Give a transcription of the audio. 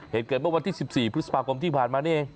เหตุเกิดเมื่อวันที่๑๔พฤษภาคมที่ผ่านมานี่เอง